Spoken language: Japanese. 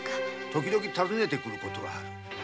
時々訪ねて来ることがある。